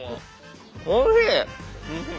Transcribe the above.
おいしい！